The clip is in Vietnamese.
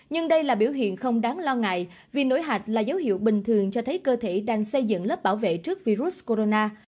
nhưng đây là biểu hiện không đáng lo ngại vì nổi hạch là dấu hiệu bình thường cho thấy cơ thể đang xây dựng lớp bảo vệ trước virus corona